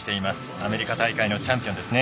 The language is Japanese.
アメリカ大会のチャンピオンです。